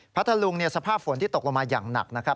พัทธลุงสภาพฝนที่ตกลงมาอย่างหนักนะครับ